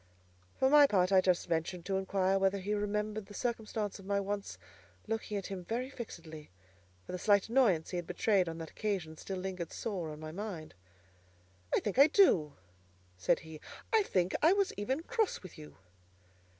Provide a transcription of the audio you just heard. For my part, I just ventured to inquire whether he remembered the circumstance of my once looking at him very fixedly; for the slight annoyance he had betrayed on that occasion still lingered sore on my mind. "I think I do!" said he: "I think I was even cross with you."